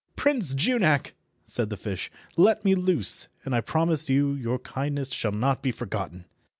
"Prince Junak," said the fish, "let me loose, and I promise you your kindness shall not be forgotten."